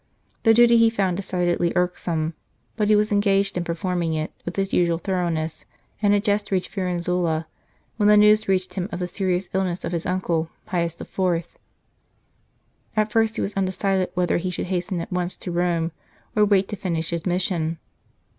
This duty he found decidedly irksome, but he was engaged in performing it, with his usual thoroughness, and had just reached Firenzuola 43 St. Charles Borromeo when the news reached him of the serious illness of his uncle, Pius IV. At first he was undecided whether he should hasten at once to Rome, or wait to finish his mission.